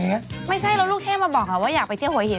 ไม่ใช่แล้วลูกเทพมาบอกค่ะว่าอยากไปเที่ยวหัวหิน